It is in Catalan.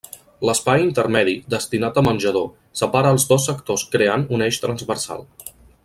L'espai intermedi, destinat a menjador, separa els dos sectors creant un eix transversal.